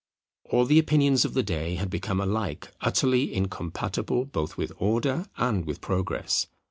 All the opinions of the day had become alike utterly incompatible both with Order and with Progress.